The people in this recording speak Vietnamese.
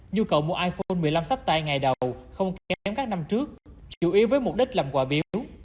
nhu cầu mua iphone một mươi năm sắp tay ngày đầu không kém các năm trước chủ yếu với mục đích làm quà biếu